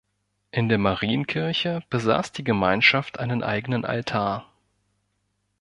In der Marienkirche besaß die Gemeinschaft einen eigenen Altar.